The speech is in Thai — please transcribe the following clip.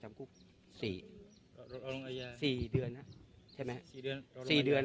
จำคุกสี่รองโรงอาญาสี่เดือนใช่ไหมสี่เดือนสี่เดือน